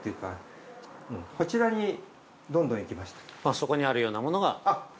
そこにあるようなものが。